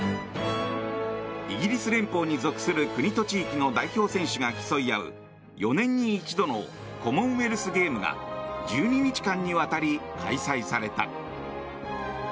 イギリス連邦に属する国と地域の代表選手が競い合う４年に一度のコモンウェルス・ゲームが１２日間にわたり開催された。